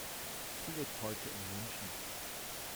Sie lebt heute in München.